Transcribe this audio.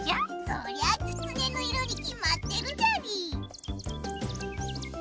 そりゃきつねの色にきまってるじゃりー。